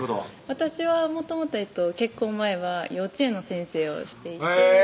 私はもともと結婚前は幼稚園の先生をしていてへぇ